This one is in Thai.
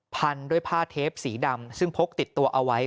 พันด้วยผ้าเทปสีดำซึ่งพกติดตัวเอาไว้